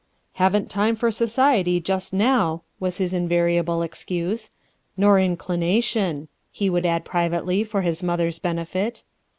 "Haven't time for society just now," was his invariable excuse. "Nor inclination," he would acid privately for his mother's benefit.